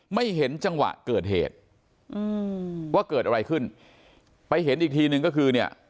ไม่เห็นจังหวะเกิดเหตุอืมว่าเกิดอะไรขึ้นไปเห็นอีกทีนึงก็คือเนี่ย